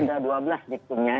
ada dua belas diktumnya